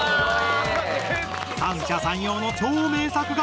三者三様の超名作が。